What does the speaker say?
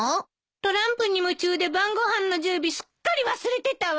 トランプに夢中で晩ご飯の準備すっかり忘れてたわ。